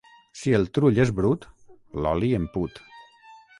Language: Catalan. Si el trull és brut, l'oli en put.